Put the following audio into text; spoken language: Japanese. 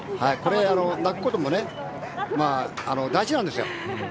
泣くことも大事なんです。